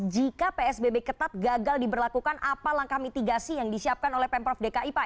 jika psbb ketat gagal diberlakukan apa langkah mitigasi yang disiapkan oleh pemprov dki pak